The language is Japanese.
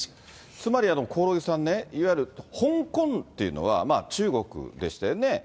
つまり、興梠さんね、いわゆる香港っていうのは、中国でしたよね。